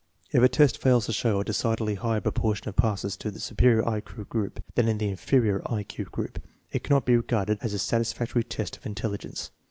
If a test fails to show a decidedly higher propor tion of passes in the superior I Q group than in the inferior I Q group, it cannot be regarded as a satisfactory test of intelligence.